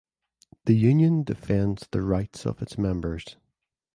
The union defends the rights of its members.